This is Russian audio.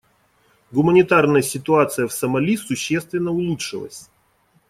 Гуманитарная ситуация в Сомали существенно улучшилась.